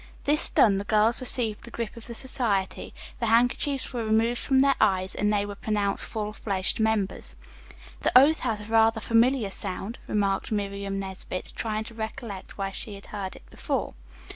This done, the girls received the grip of the society, the handkerchiefs were removed from their eyes and they were pronounced full fledged members. "That oath has a rather familiar sound," remarked Miriam Nesbit, trying to recollect where she had heard it before.